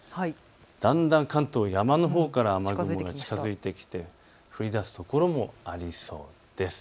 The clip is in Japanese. だんだん山のほうから雨雲が近づいてきて降りだす所もありそうです。